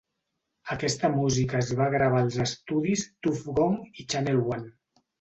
Aquesta música es va gravar als estudis Tuff Gong i Channel One.